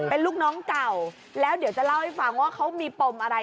เป็นลูกน้องเก่าแล้วเดี๋ยวจะเล่าให้ฟังว่าเขามีปมอะไร